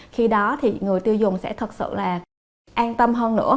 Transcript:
khi đó thì người tiêu dùng sẽ thật sự là an tâm hơn nữa